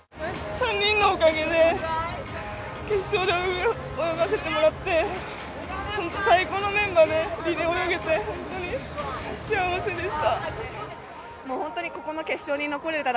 ３人のおかげで決勝で泳がせてもらって、最高のメンバーでリレーを泳げて、幸せでした。